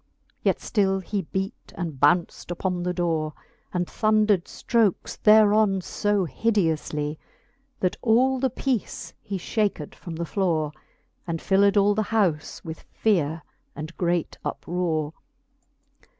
Yet ftill he bet, and bounft upon the dore, And thundred ftrokes thereon fb hideouflie, That all the peece he fhaked from the fiore, And filled all the houfe with feare and great uprore.